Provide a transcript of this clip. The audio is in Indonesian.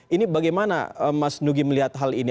ini bagaimana mas nugi melihat hal ini